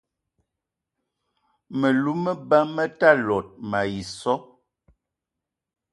Me lou me ba me ta lot mayi so.